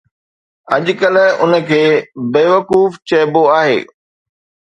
اڄڪلهه ان کي ”بيوقوف“ چئبو آهي.